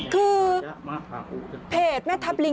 คือเพจแม่ทับลิงสักลับหนึ่งเขาจะมีการแฉพฤติกรรมแบบนี้